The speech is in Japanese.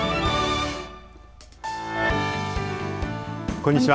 こんにちは。